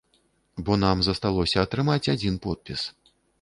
Бо нам засталося атрымаць адзін подпіс.